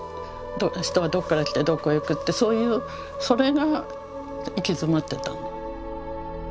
人はどこから来てどこへ行くってそれが行き詰まってたの。